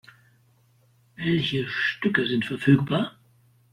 Welche Stücke sind verfügbar?